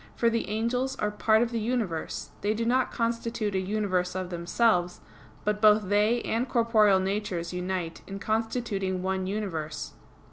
For the angels are part of the universe: they do not constitute a universe of themselves; but both they and corporeal natures unite in constituting one universe.